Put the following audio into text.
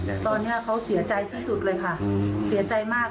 แต่ตอนนี้เขาเสียใจที่สุดเลยค่ะเสียใจมาก